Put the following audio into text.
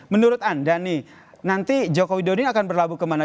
menurut anda nanti jokowi daudini akan berlabuh ke mana